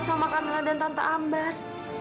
sama kamila dan tante amber